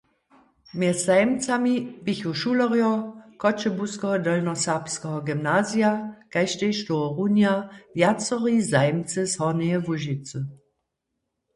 Mjez zajimcami běchu šulerjo Choćebuskeho Delnjoserbskeho gymnazija kaž tohorunja wjacori zajimcy z Hornjeje Łužicy.